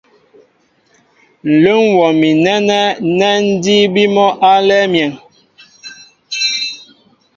Ǹlə́ ḿ wɔ mi nɛ́nɛ́ nɛ́ ńdííbí mɔ́ álɛ́ɛ́ myēŋ.